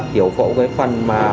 tiểu phẫu cái phần mà